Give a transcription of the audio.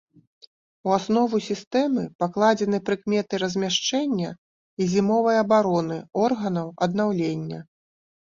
У аснову сістэмы пакладзены прыкметы размяшчэння і зімовай абароны органаў аднаўлення.